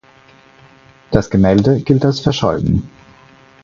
Das Gemälde gilt als verschollen.